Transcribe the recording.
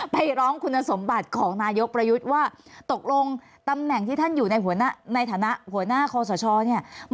ไปร้องคุณสมบัติของนายกประยุทธ์ว่าตกลงตำแหน่งที่ท่านอยู่ในหัวหน้าในฐานะหัวหน้าคอสชเนี่ย